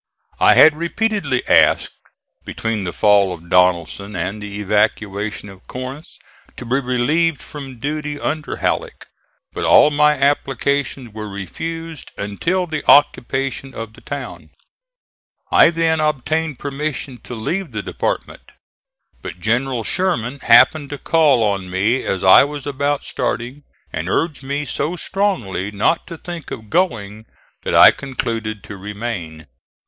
I had repeatedly asked, between the fall of Donelson and the evacuation of Corinth, to be relieved from duty under Halleck; but all my applications were refused until the occupation of the town. I then obtained permission to leave the department, but General Sherman happened to call on me as I was about starting and urged me so strongly not to think of going, that I concluded to remain.